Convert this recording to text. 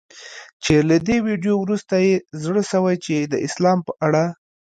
چي له دې ویډیو وروسته یې زړه سوی چي د اسلام په اړه